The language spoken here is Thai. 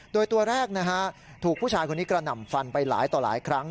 โดยตัวแรกนะฮะถูกผู้ชายคนนี้กระหน่ำฟันไปหลายต่อหลายครั้ง